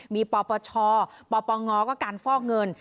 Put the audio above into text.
มีปปชปปงก็การฟอกเงิน